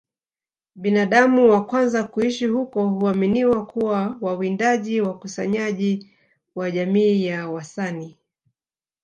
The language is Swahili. Binadamu wa kwanza kuishi huko huaminiwa kuwa wawindaji wakusanyaji wa jamii ya Wasani